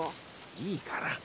いいから。